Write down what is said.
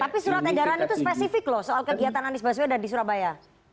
tapi surat edaran itu spesifik loh soal kegiatan anies baswedan di surabaya